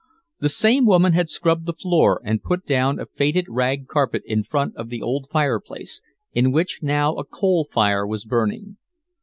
The same woman had scrubbed the floor and put down a faded rag carpet in front of the old fireplace, in which now a coal fire was burning.